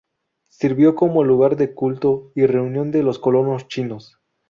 Sirvió como lugar de culto y reunión de los colonos chinos.